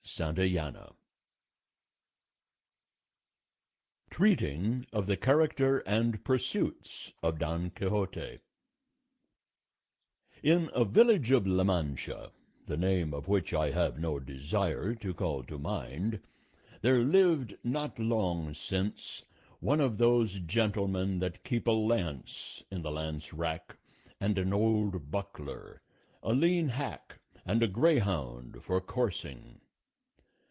Santayana] TREATING OF THE CHARACTER AND PURSUITS OF DON QUIXOTE In a village of La Mancha, the name of which I have no desire to call to mind, there lived not long since one of those gentlemen that keep a lance in the lance rack, and an old buckler, a lean hack, and a greyhound for coursing.